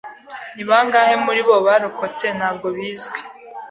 Ni bangahe muri bo barokotse ntabwo bizwi.